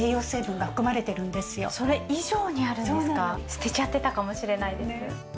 捨てちゃってたかもしれないです。